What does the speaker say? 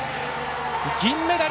銀メダル